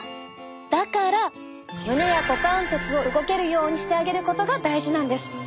だから胸や股関節を動けるようにしてあげることが大事なんです。